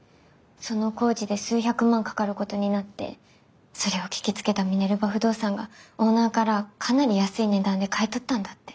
その工事で数百万かかることになってそれを聞きつけたミネルヴァ不動産がオーナーからかなり安い値段で買い取ったんだって。